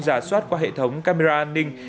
giả soát qua hệ thống camera an ninh